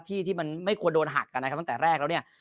ที่ที่มันไม่ควรโดนหักกันนะครับตั้งแต่แรกแล้วเนี่ย